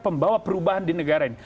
pembawa perubahan di negara ini